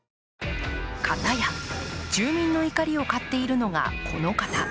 片や住民の怒りを買っているのがこの方。